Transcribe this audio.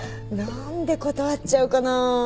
何で断っちゃうかな？